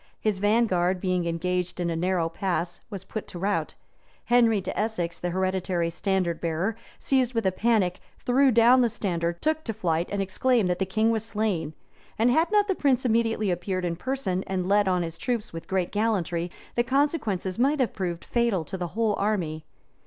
His vanguard, being engaged in a narrow pass, was put to rout: Henry de Essex, the hereditary standard bearer, seized with a panic, threw down the standard, took to flight, and exclaimed that the king was slain; and had not the prince immediately appeared in person, and led on his troops with great gallantry, the consequences might have proved fatal to the whole army.